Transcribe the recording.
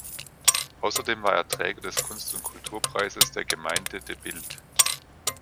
Außerdem war er Träger des Kunst- und Kulturpreises der Gemeinde De Bilt.